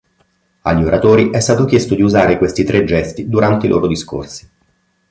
Agli oratori è stato chiesto di usare questi tre gesti durante i loro discorsi.